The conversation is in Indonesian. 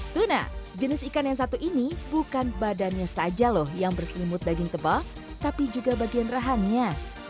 tuna jenis ikan yang satu ini bukan badannya saja loh yang berselimut daging tebal tapi juga bagian rahannya